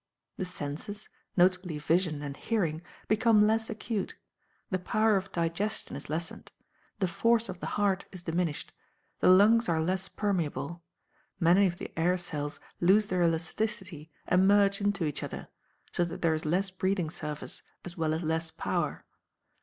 The senses, notably vision and hearing, become less acute; the power of digestion is lessened; the force of the heart is diminished; the lungs are less permeable; many of the air cells lose their elasticity and merge into each other, so that there is less breathing surface as well as less power.